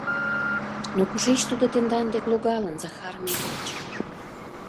Но кушеч тудо тендан дек логалын, Захар Митрич?